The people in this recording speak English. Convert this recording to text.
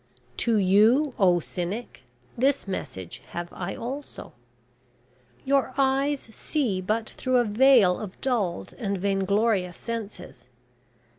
To you, oh Cynic, this message have I also: `Your eyes see but through a veil of dulled and vainglorious senses.